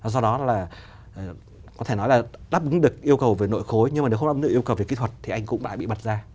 do đó là có thể nói là đáp ứng được yêu cầu về nội khối nhưng mà nếu không đáp ứng được yêu cầu về kỹ thuật thì anh cũng lại bị bật ra